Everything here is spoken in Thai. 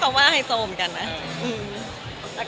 ก็เลยเอาข้าวเหนียวมะม่วงมาปากเทียน